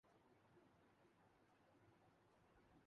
بحران کا سامنا قوم اورملک کو ہے۔